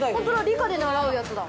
理科で習うやつだ。